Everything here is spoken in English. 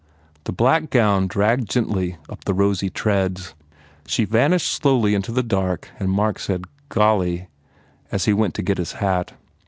The black gown dragged gently up the rosy treads. She vanished slowly into the dark and Mark said, "Golly," as he went to get his hat.